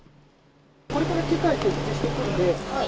これから機械設置していくんほい。